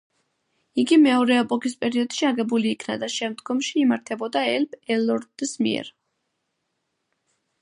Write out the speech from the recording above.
იგი მეორე ეპოქის პერიოდში აგებული იქნა და შემდგომში იმართებოდა ელფ ელრონდის მიერ.